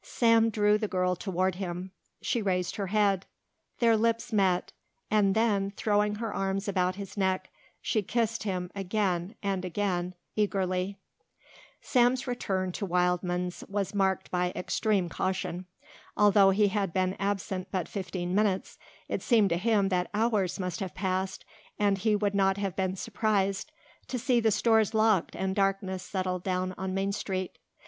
Sam drew the girl toward him. She raised her head. Their lips met, and then, throwing her arms about his neck, she kissed him again and again eagerly. Sam's return to Wildman's was marked by extreme caution. Although he had been absent but fifteen minutes it seemed to him that hours must have passed and he would not have been surprised to see the stores locked and darkness settled down on Main Street.